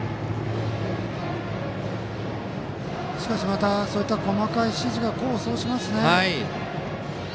しかしまた細かい指示が功を奏しますよね。